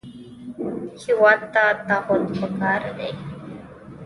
هېواد ته تعهد پکار دی